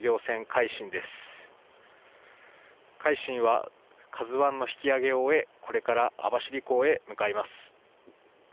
「海進」は「ＫＡＺＵ１」の引き揚げを終え、これから網走港へ向かいます。